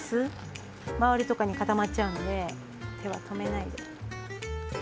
周りとかに固まっちゃうので手は止めないで。